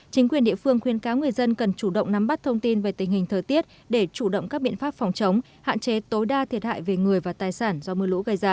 chính quyền địa phương khuyên cáo người dân cần chủ động nắm bắt thông tin về tình hình thời tiết để chủ động các biện pháp phòng chống hạn chế tối đa thiệt hại về người và tài sản do mưa lũ gây ra